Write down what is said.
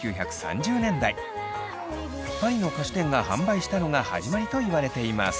パリの菓子店が販売したのが始まりといわれています。